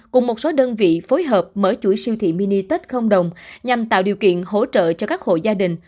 cùng một số đơn vị phối hợp mở chuỗi siêu thị mini tết không đồng nhằm tạo điều kiện hỗ trợ cho các hộ gia đình